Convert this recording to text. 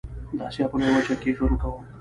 د آسيا په لويه وچه کې ژوند کوم.